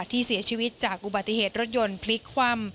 ที่เสียชีวิตจากอุบัติเหตุรถยนต์พลิกคว่ำ